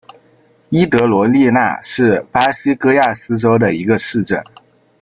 伊德罗利纳是巴西戈亚斯州的一个市镇。